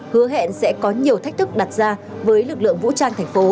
hứa hẹn sẽ có nhiều thách thức đặt ra với lực lượng vũ trang thành phố